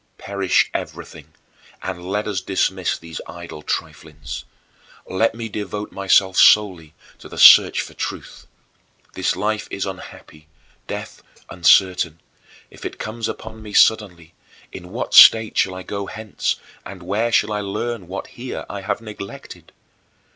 19. "Perish everything and let us dismiss these idle triflings. Let me devote myself solely to the search for truth. This life is unhappy, death uncertain. If it comes upon me suddenly, in what state shall I go hence and where shall I learn what here I have neglected?